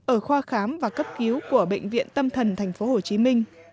ở khoa khám và cấp cứu của bệnh viện tâm thần tp hcm